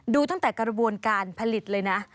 ดูตั้งแต่กระบวนการผลิตเลยนะ